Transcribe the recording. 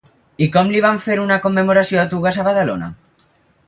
I com li van fer una commemoració a Tugas a Badalona?